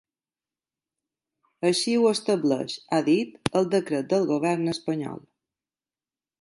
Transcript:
Així ho estableix, ha dit, el decret del govern espanyol.